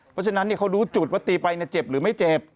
เพราะฉะนั้นเนี่ยเขาดูจุดว่าตีไปเนี่ยเจ็บหรือไม่เจ็บ